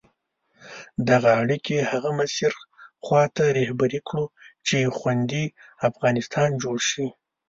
دغه اړیکي هغه مسیر خواته رهبري کړو چې خوندي افغانستان جوړ شي.